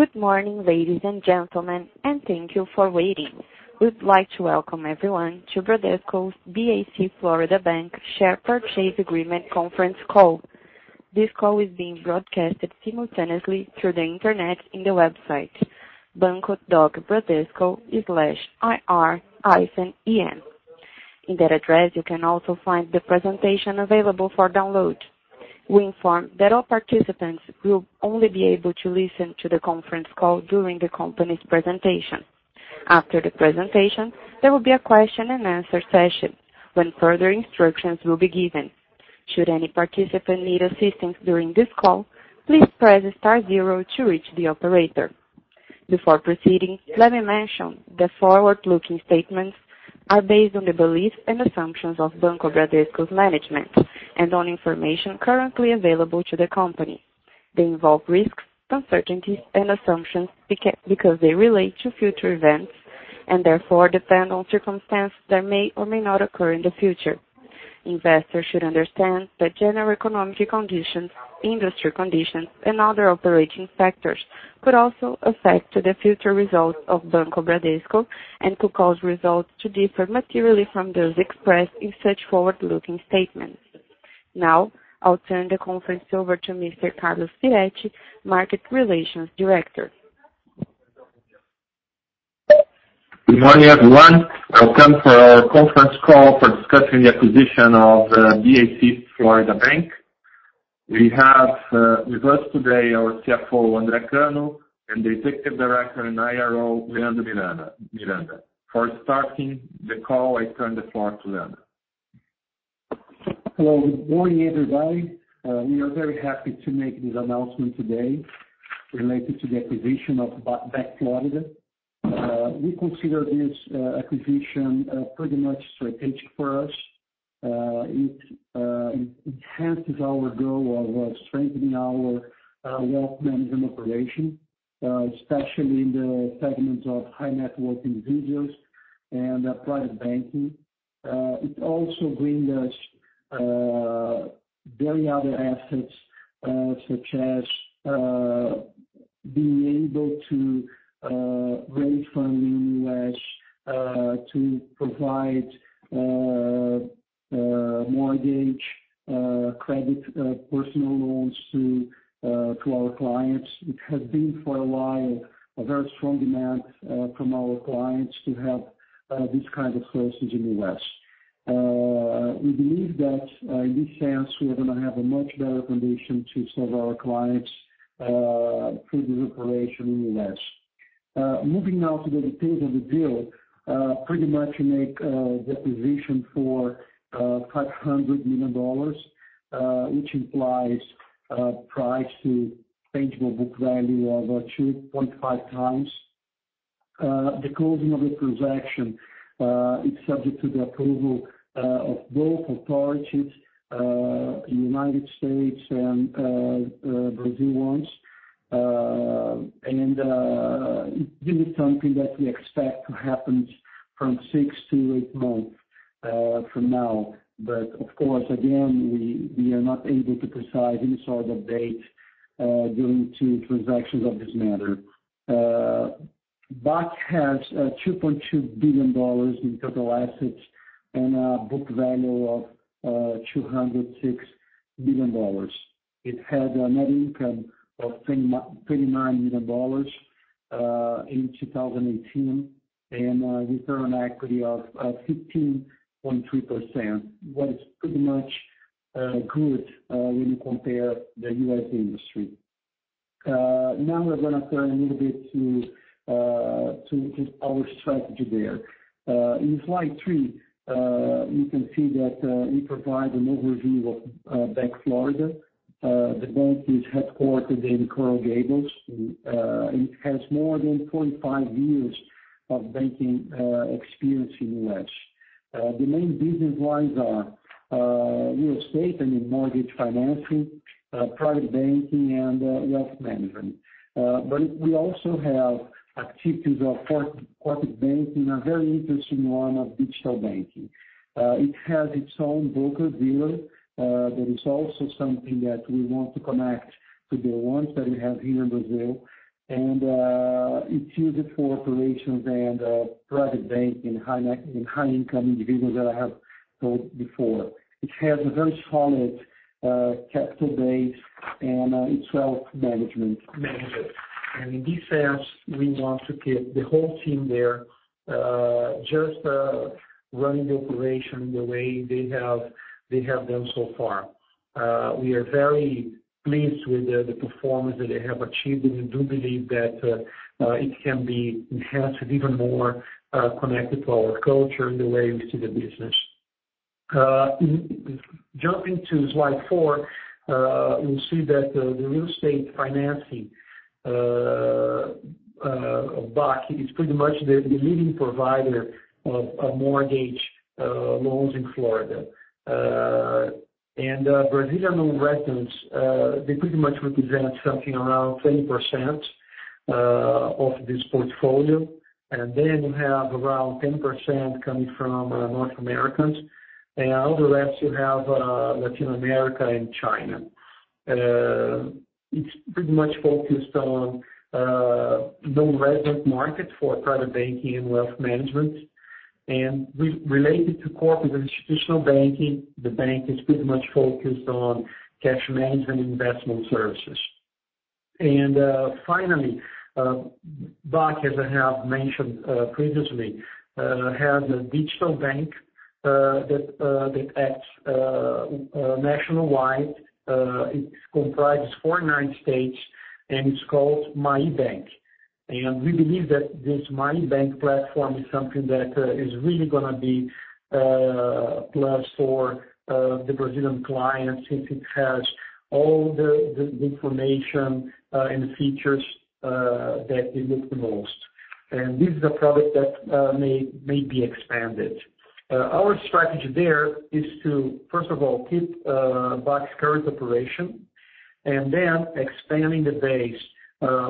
Good morning, ladies and gentlemen, and thank you for waiting. We'd like to welcome everyone to Bradesco's BAC Florida Bank Share Purchase Agreement conference call. This call is being broadcasted simultaneously through the Internet on the website banco.bradesco/ir-en. In that address, you can also find the presentation available for download. We inform that all participants will only be able to listen to the conference call during the company's presentation. After the presentation, there will be a question and answer session when further instructions will be given. Should any participant need assistance during this call, please press star zero to reach the operator. Before proceeding, let me mention that forward-looking statements are based on the beliefs and assumptions of Banco Bradesco's management and on information currently available to the company. They involve risks, uncertainties, and assumptions because they relate to future events and therefore depend on circumstances that may or may not occur in the future. Investors should understand that general economic conditions, industry conditions, and other operating factors could also affect the future results of Banco Bradesco and could cause results to differ materially from those expressed in such forward-looking statements. Now, I'll turn the conference over to Mr. Carlos Wagner Firetti, market relations director. Good morning, everyone. Welcome to our conference call for discussing the acquisition of BAC Florida Bank. We have with us today our CFO, André Cano, and the executive director and IRO, Leandro De Miranda Araujo. For starting the call, I turn the floor to Leandro. Hello. Good morning, everybody. We are very happy to make this announcement today related to the acquisition of BAC Florida. We consider this acquisition pretty much strategic for us. It enhances our goal of strengthening our wealth management operation, especially in the segment of high-net-worth individuals and private banking. It also brings us other assets such as being able to raise funding in the U.S. to provide mortgage credit personal loans to our clients, which has been, for a while, a very strong demand from our clients to have these kinds of services in the U.S. We believe that in this sense, we are going to have a much better condition to serve our clients through the operation in the U.S. Moving now to the details of the deal. Pretty much make the acquisition for $500 million, which implies a price-to-tangible book value of 2.5 times. The closing of the transaction is subject to the approval of both authorities in the U.S. and Brazil. This is something that we expect to happen from six to eight months from now. Of course, again, we are not able to precise any sort of date due to transactions of this matter. BAC has $2.2 billion in total assets and a book value of $206 million. It had a net income of $39 million in 2018 and a return on equity of 15.3%, what is pretty much good when you compare the U.S. industry. We're going to turn a little bit to our strategy there. In slide three, you can see that we provide an overview of BAC Florida. The bank is headquartered in Coral Gables. It has more than 25 years of banking experience in the U.S. The main business lines are real estate and mortgage financing, private banking, and wealth management. We also have activities of corporate banking, a very interesting one of digital banking. It has its own broker-dealer. That is also something that we want to connect to the ones that we have here in Brazil, and it's used for operations and private banking in high-income individuals that I have told before. It has a very solid capital base and its wealth management. In this sense, we want to keep the whole team there just running the operation the way they have done so far. We are very pleased with the performance that they have achieved, and we do believe that it can be enhanced even more, connected to our culture and the way we see the business. Jumping to slide four, we see that the real estate financing of BAC is pretty much the leading provider of mortgage loans in Florida. Brazilian residents, they pretty much represent something around 20% of this portfolio. Then you have around 10% coming from North Americans. All the rest you have Latin America and China. It's pretty much focused on non-resident market for private banking and wealth management, and related to corporate institutional banking, the bank is pretty much focused on cash management investment services. Finally, BAC, as I have mentioned previously, has a digital bank that acts nationwide. It comprises 49 states, and it's called MyeBanc. We believe that this MyeBanc platform is something that is really going to be a plus for the Brazilian clients, since it has all the information and features that they need the most. This is a product that may be expanded. Our strategy there is to, first of all, keep BAC current operation, and then expanding the base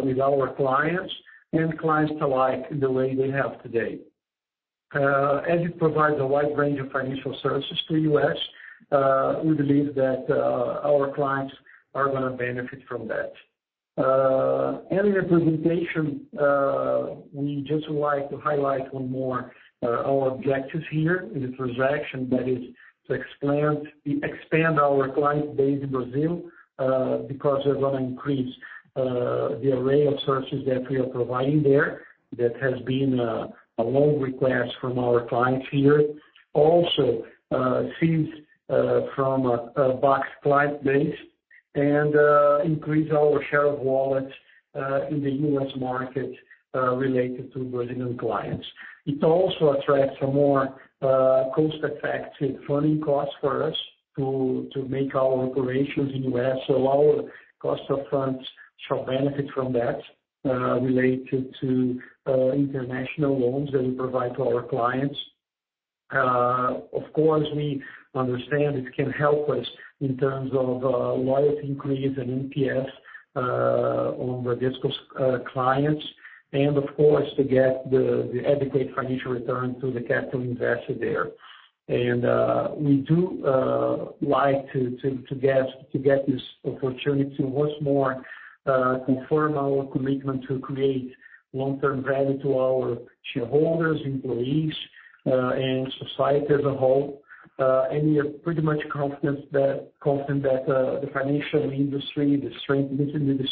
with our clients and clients alike the way they have today. As it provides a wide range of financial services to U.S., we believe that our clients are going to benefit from that. In the presentation, we just would like to highlight one more our objectives here in the transaction, that is to expand our client base in Brazil, because we're going to increase the array of services that we are providing there that has been a long request from our clients here. Also, fees from BAC's client base and increase our share of wallet in the U.S. market related to Brazilian clients. It also attracts a more cost-effective funding cost for us to make our operations in the U.S., our cost of funds shall benefit from that related to international loans that we provide to our clients. Of course, we understand it can help us in terms of loyalty increase and NPS on Bradesco's clients, of course to get the adequate financial return to the capital invested there. We do like to get this opportunity to once more confirm our commitment to create long-term value to our shareholders, employees, and society as a whole. We are pretty much confident that the financial industry, the strength, the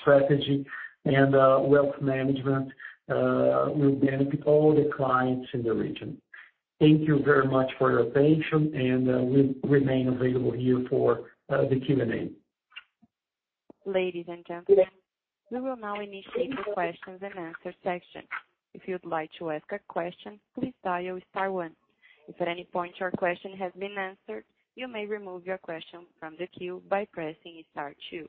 strategy, and wealth management will benefit all the clients in the region. Thank you very much for your attention, and we remain available here for the Q&A. Ladies and gentlemen, we will now initiate the questions and answer section. If you'd like to ask a question, please dial star one. If at any point your question has been answered, you may remove your question from the queue by pressing star two.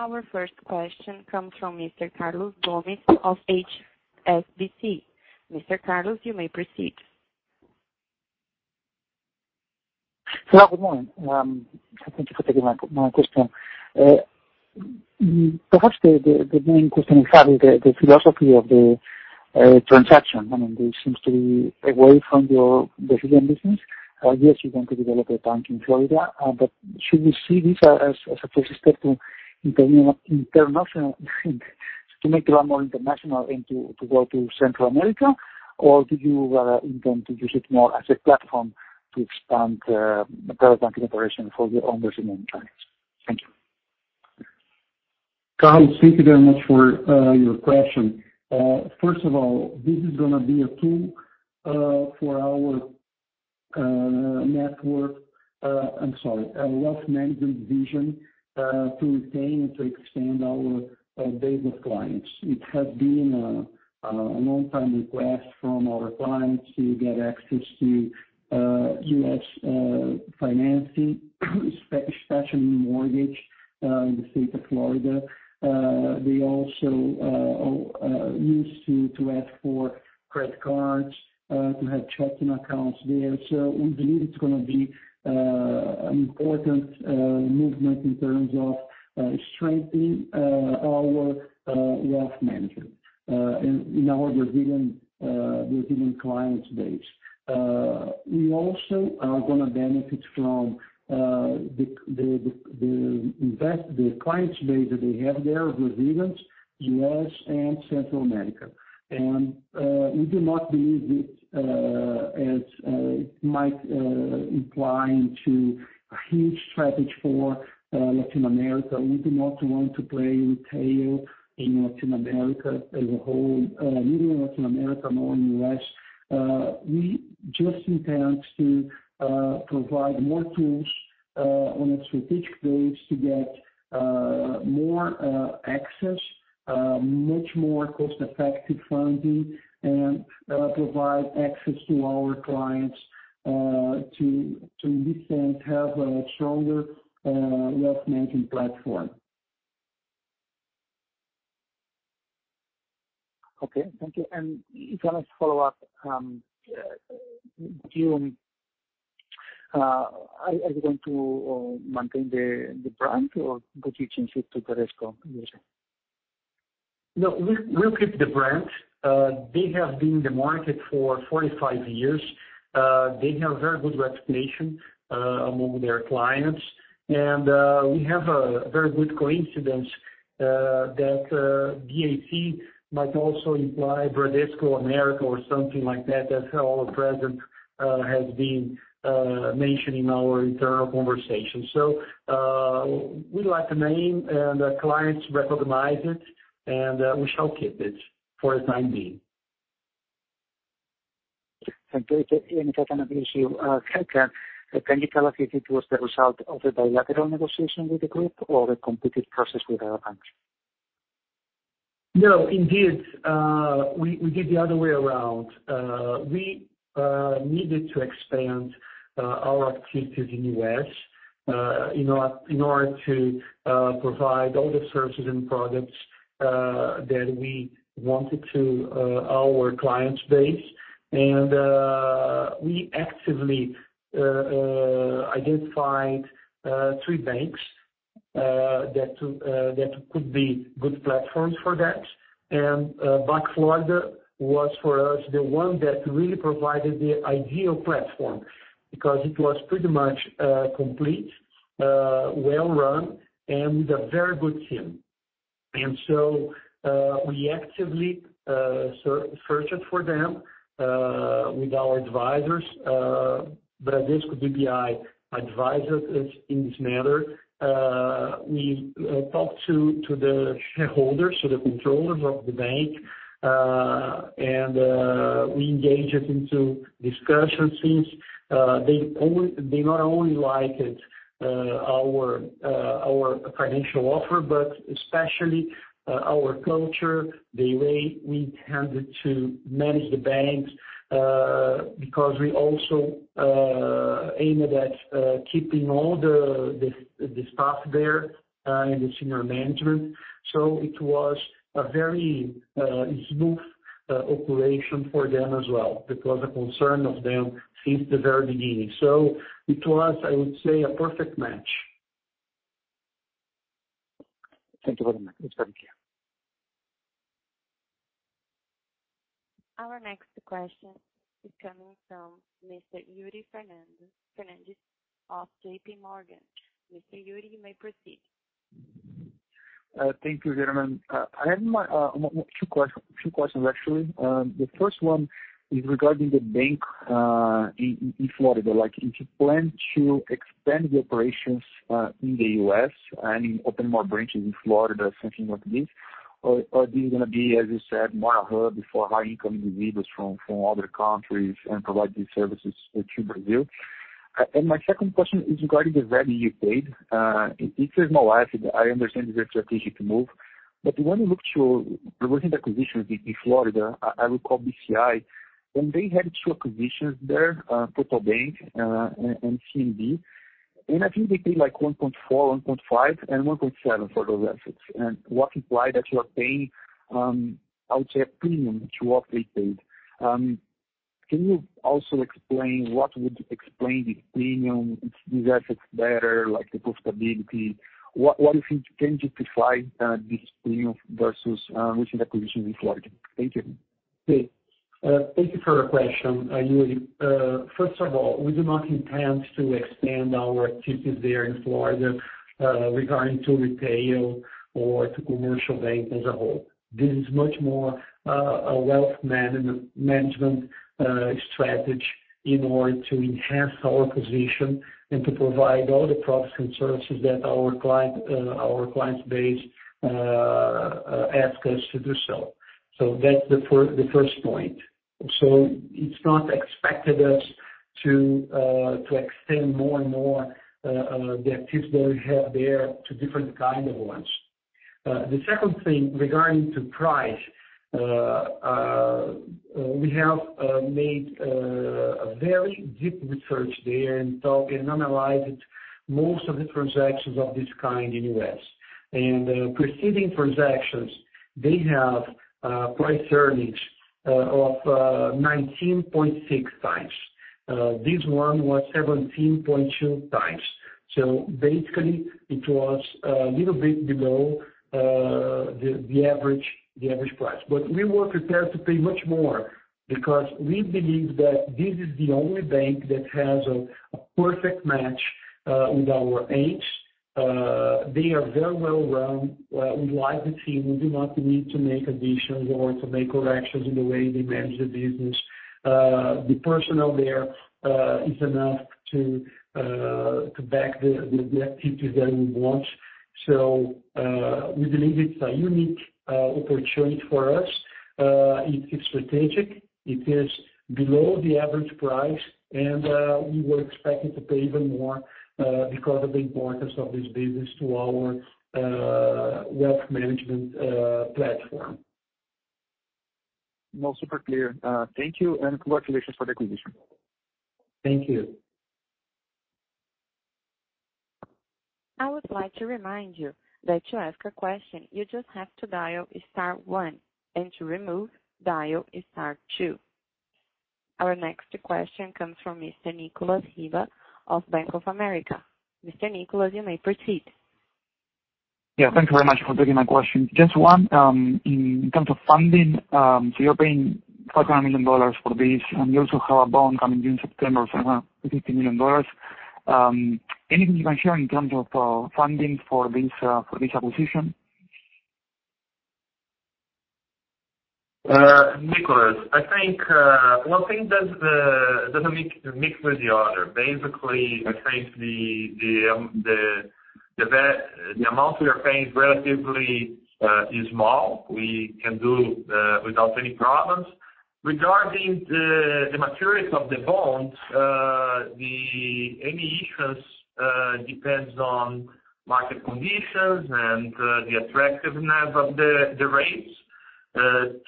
Our first question comes from Mr. Carlos Gomez-Lopez of HSBC. Mr. Carlos, you may proceed. Hello, good morning. Thank you for taking my question. Perhaps the main question is the philosophy of the transaction. I mean, this seems to be away from your Brazilian business. Yes, you're going to develop a bank in Florida, should we see this as a first step to make you a more international bank, to go to Central America? Do you intend to use it more as a platform to expand the bank operation for your own Brazilian clients? Thank you. Carlos, thank you very much for your question. First of all, this is going to be a tool for our network, I'm sorry, our wealth management division to retain and to expand our base of clients. It has been a long time request from our clients to get access to U.S. financing, especially mortgage in the state of Florida. They also used to ask for credit cards, to have checking accounts there. We believe it's going to be an important movement in terms of strengthening our wealth management and our Brazilian clients base. We also are going to benefit from the clients base that we have there, Brazilians, U.S., and Central America. We do not believe it as might implying to a huge strategy for Latin America. We do not want to play retail in Latin America as a whole, neither Latin America nor in the U.S. We just intend to provide more tools on a strategic base to get more access. Much more cost-effective funding and provide access to our clients to listen and have a stronger wealth management platform. Okay, thank you. Can I just follow up, are you going to maintain the brand or could you change it to Bradesco USA? No, we'll keep the brand. They have been in the market for 45 years. They have very good recognition among their clients. We have a very good coincidence that BAC might also imply Bradesco America or something like that. That's how our president has been mentioning our internal conversation. We like the name, and the clients recognize it, and we shall keep it for the time being. Thank you. If I can abuse you again, can you tell us if it was the result of a bilateral negotiation with the group or a competitive process with other banks? No, indeed, we did the other way around. We needed to expand our activities in the U.S. in order to provide all the services and products that we wanted to our client base. We actively identified three banks that could be good platforms for that. BAC Florida was for us, the one that really provided the ideal platform because it was pretty much complete, well-run, and with a very good team. We actively searched for them with our advisors, Bradesco BBI advised us in this matter. We talked to the shareholders, so the controllers of the bank, and we engaged into discussions since they not only liked our financial offer, but especially our culture, the way we tended to manage the banks, because we also aimed at keeping all the staff there and the senior management. It was a very smooth operation for them as well. It was a concern of them since the very beginning. It was, I would say, a perfect match. Thank you very much. Our next question is coming from Mr. Yuri Fernandes of J.P. Morgan. Mr. Yuri, you may proceed. Thank you, gentlemen. I have two questions, actually. The first one is regarding the bank in Florida. If you plan to expand the operations in the U.S. and open more branches in Florida, something like this, or this is going to be, as you said, more a hub for high-income individuals from other countries and provide these services to Brazil. My second question is regarding the value you paid. It says no asset. I understand it's a strategic move. When you look to recent acquisitions in Florida, I recall BCI, when they had two acquisitions there, TotalBank and City National Bank of Florida, and I think they paid 1.4, 1.5, and 1.7 for those assets. What implied that you are paying, I would say, a premium to what they paid. Can you also explain what would explain this premium if these assets better, like the profitability? What do you think can justify this premium versus recent acquisitions in Florida? Thank you. Thank you for your question, Yuri. First of all, we do not intend to expand our activities there in Florida regarding to retail or to commercial bank as a whole. This is much more a wealth management strategy in order to enhance our position and to provide all the products and services that our client base ask us to do so. That's the first point. It's not expected us to extend more and more the activities that we have there to different kind of ones. The second thing regarding to price, we have made a very deep research there and analyzed most of the transactions of this kind in the U.S. Preceding transactions, they have price-to-earnings ratio of 19.6 times. This one was 17.2 times. Basically, it was a little bit below the average price. We were prepared to pay much more because we believe that this is the only bank that has a perfect match with our aims. They are very well-run. We like the team. We do not need to make additions or to make corrections in the way they manage the business. The personnel there is enough to back the activities that we want. We believe it's a unique opportunity for us. It's strategic. It is below the average price, and we were expecting to pay even more because of the importance of this business to our wealth management platform. No, super clear. Thank you, and congratulations for the acquisition. Thank you. I would like to remind you that to ask a question, you just have to dial star 1, and to remove, dial star 2. Our next question comes from Mr. Nicolas Riva of Bank of America. Mr. Nicolas, you may proceed. Thank you very much for taking my question. Just one. In terms of funding, you're paying $500 million for this, you also have a bond coming due in September of BRL 150 million. Anything you can share in terms of funding for this acquisition? Nicolas, one thing doesn't mix with the other. I think the amount we are paying relatively is small. We can do without any problems. Regarding the maturities of the bonds, any issues depends on market conditions and the attractiveness of the rates.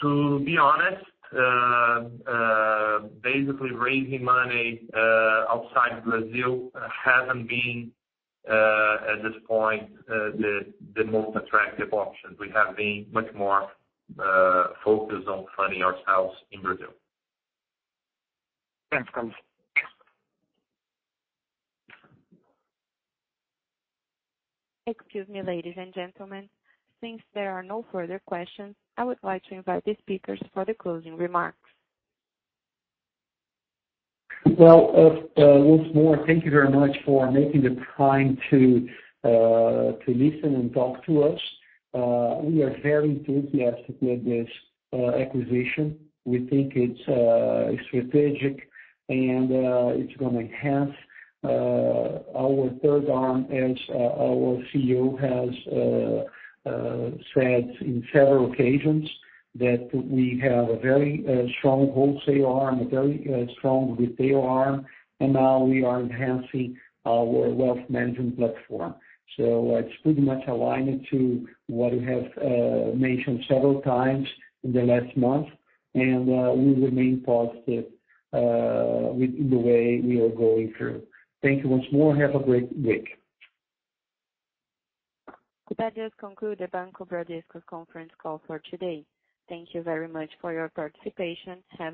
To be honest, raising money outside Brazil hasn't been, at this point, the most attractive option. We have been much more focused on funding ourselves in Brazil. Thanks. Excuse me, ladies and gentlemen. There are no further questions, I would like to invite the speakers for the closing remarks. Once more, thank you very much for making the time to listen and talk to us. We are very enthusiastic with this acquisition. We think it's strategic and it's going to enhance our third arm as our CEO has said in several occasions, that we have a very strong wholesale arm, a very strong retail arm, and now we are enhancing our wealth management platform. It's pretty much aligned to what we have mentioned several times in the last month, and we remain positive with the way we are going through. Thank you once more. Have a great week. That just conclude the Banco Bradesco conference call for today. Thank you very much for your participation.